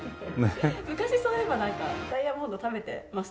昔そういえばなんかダイヤモンド食べてましたよね？